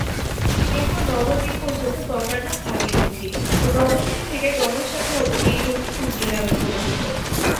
এরপর নবদ্বীপ পর্যন্ত গঙ্গার নাম ভাগীরথী ও নবদ্বীপ থেকে গঙ্গাসাগর অবধি এই নদী হুগলি নামে প্রবাহিত।